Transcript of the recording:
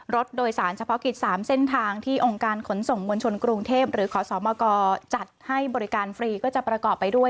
รถโดยสารเฉพาะกิจ๓เส้นทางที่องค์การขนส่งมวลชนกรุงเทพหรือขอสมกจัดให้บริการฟรีก็จะประกอบไปด้วย